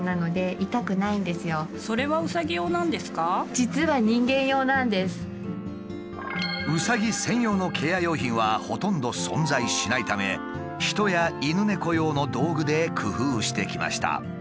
実はうさぎ専用のケア用品はほとんど存在しないため人や犬猫用の道具で工夫してきました。